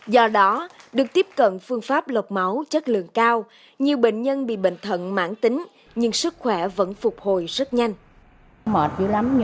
do đó được tiếp cận phương pháp lọc máu chất lượng cao nhiều bệnh nhân bị bệnh thận mãn tính nhưng sức khỏe vẫn phục hồi rất nhanh